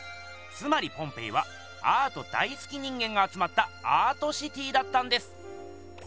つまりポンペイはアート大すき人間があつまったアートシティーだったんです！